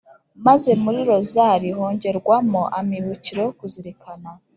maze muri rozali hongerwamo amibukiro yo kuzirikana